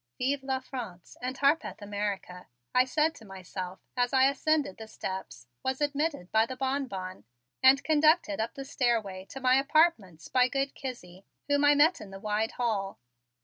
"Vive la France and Harpeth America!" I said to myself as I ascended the steps, was admitted by the Bonbon and conducted up the stairway to my apartments by good Kizzie, whom I met in the wide hall.